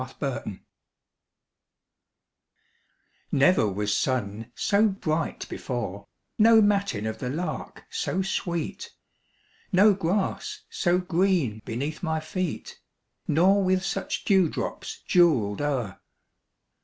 A SUMMER MORNING Never was sun so bright before, No matin of the lark so sweet, No grass so green beneath my feet, Nor with such dewdrops jewelled o'er.